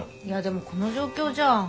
いやでもこの状況じゃ。